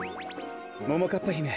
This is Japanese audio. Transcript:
ももかっぱひめ